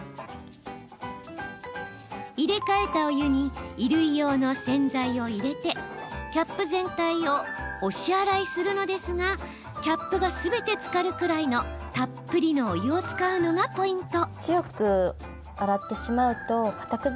入れ替えたお湯に衣類用の洗剤を入れてキャップ全体を押し洗いするのですがキャップがすべてつかるくらいのたっぷりのお湯を使うのがポイント。